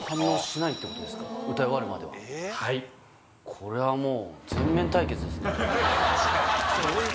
これはもう。